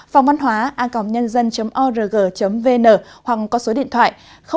phòng văn hóa a n org vn hoặc có số điện thoại hai nghìn bốn trăm ba mươi hai sáu trăm sáu mươi chín năm trăm linh tám